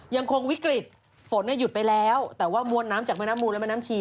ยังคงวิกฤตฝนหยุดไปแล้วแต่ว่ามวลน้ำจากแม่น้ำมูลและแม่น้ำชี